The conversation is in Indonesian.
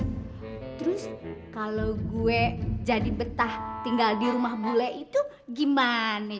terus kalau gue jadi betah tinggal di rumah bule itu gimana